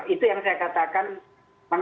itu yang saya katakan